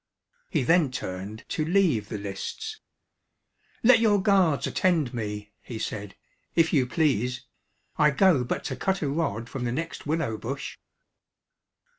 He then turned to leave the lists. "Let your guards attend me," he said, "if you please I go but to cut a rod from the next willow bush."